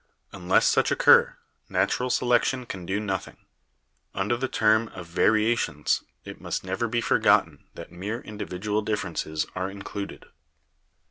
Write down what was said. Unless such occur, natural selec tion can do nothing. Under the term of 'variations' it must never be forgotten that mere individual differences are included.